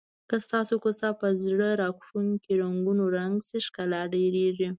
که ستاسو کوڅه په زړه راښکونکو رنګونو رنګ شي ښکلا ډېریږي.